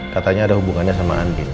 katanya ada hubungannya sama andil